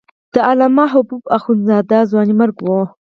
د علامه حبو اخند زاده ځوانیمرګ و.